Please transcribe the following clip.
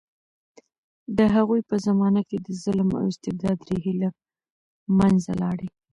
د هغوی په زمانه کې د ظلم او استبداد ریښې له منځه لاړې.